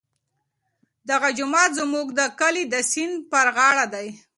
دغه جومات زموږ د کلي د سیند پر غاړه دی.